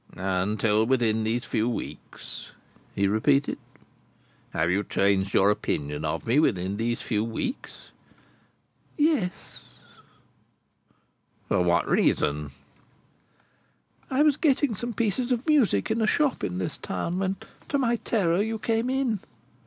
"Until within these few weeks," he repeated. "Have you changed your opinion of me within these few weeks?" "Yes." "For what reason?" "I was getting some pieces of music in a shop in this town, when, to my terror, you came in.